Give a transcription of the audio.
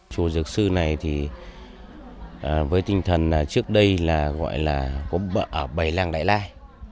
chùa dược sư này thì với tinh thần trước đây là gọi là bảy làng đại lai